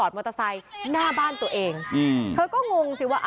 เลิกเลิกเลิกเลิกเลิกเลิก